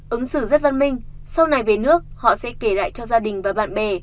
ứng xử rất văn minh sau này về nước họ sẽ kể lại cho gia đình và bạn bè